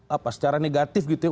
apa secara negatif gitu ya